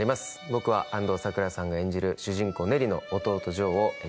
僕は安藤サクラさんが演じる主人公ネリの弟ジョーを演じさせて頂きました。